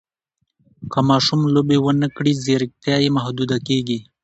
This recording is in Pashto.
که ماشوم لوبې ونه کړي، ځیرکتیا یې محدوده کېږي.